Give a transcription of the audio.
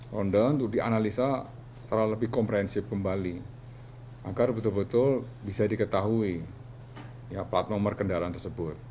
london untuk dianalisa secara lebih komprehensif kembali agar betul betul bisa diketahui plat nomor kendaraan tersebut